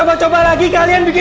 harus tuntuk ereball gue bukan mikir